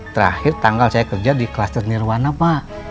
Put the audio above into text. terakhir tanggal saya kerja di kluster nirwana pak